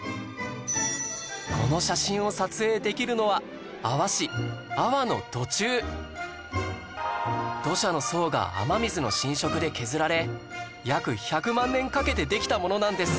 この写真を撮影できるのは土砂の層が雨水の浸食で削られ約１００万年かけてできたものなんです